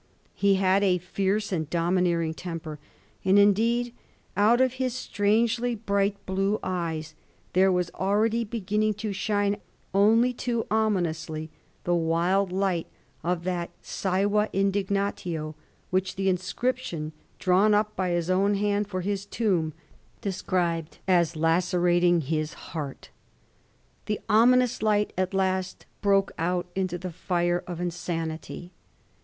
He had a fierce and domineering temper, and indeed out of his strangely bright blue eyes there was already beginning to shine only too ominously the wild light of that sceva indignatio which the inscription drawn up by his own hand for his tomb described as lacerating his heart. The ominous light at last broke out into the fire of insanity.